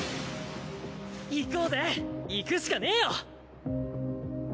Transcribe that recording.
行こうぜ行くしかねえよ！